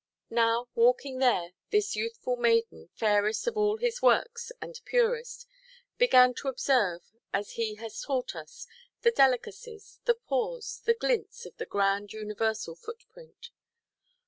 Now, walking there, this youthful maiden, fairest of all His works and purest, began to observe, as He has taught us, the delicacies, the pores, and glints of the grand universal footprint.